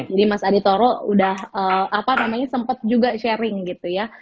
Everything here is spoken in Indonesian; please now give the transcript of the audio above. jadi mas aditya triantoro udah apa namanya sempet juga sharing gitu ya